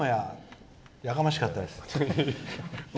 やかましかったです。